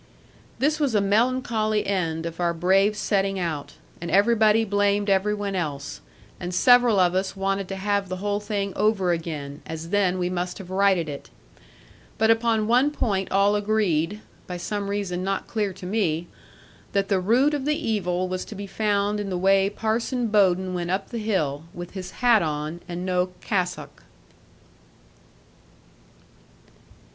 This was a melancholy end of our brave setting out, and everybody blamed every one else; and several of us wanted to have the whole thing over again, as then we must have righted it. But upon one point all agreed, by some reason not clear to me, that the root of the evil was to be found in the way Parson Bowden went up the hill, with his hat on, and no cassock.